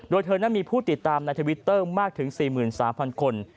โดยเธอนั้นมีผู้ติดตามในทวิตเตอร์มากถึง๔๓๐๐คน